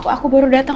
aku baru datang